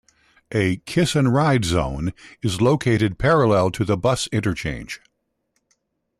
A "Kiss-and-ride" zone is located parallel to the bus interchange.